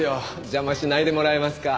邪魔しないでもらえますか。